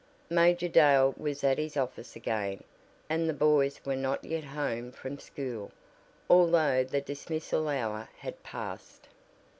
Major Dale was at his office again, and the boys were not yet home from school, although the dismissal hour had passed.